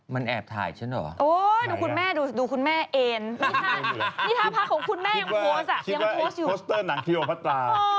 มันแอบถ่ายฉันเหรอ